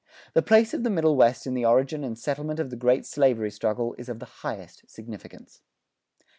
The place of the Middle West in the origin and settlement of the great slavery struggle is of the highest significance.